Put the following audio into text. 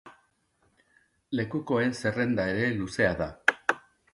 Lekukoen zerrenda ere luzea da.